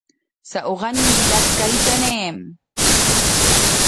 سأغنّي لك كي تنام.